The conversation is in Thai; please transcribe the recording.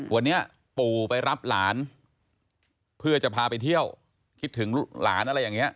วันนี้ปู่ไปรับหลานเพื่อจะพาไปเที่ยวคิดถึงหลานอะไรอย่างนี้